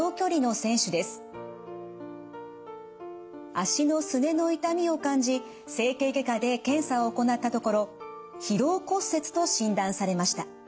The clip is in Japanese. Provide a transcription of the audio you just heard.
脚のすねの痛みを感じ整形外科で検査を行ったところ疲労骨折と診断されました。